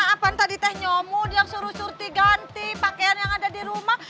apaan tadi teh nyamut yang suruh surti ganti pakaian yang ada di rumah